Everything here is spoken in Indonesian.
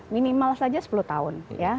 minimal saja sepuluh tahun